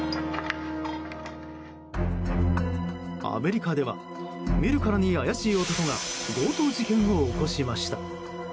アメリカでは見るからに怪しい男が強盗事件を起こしました。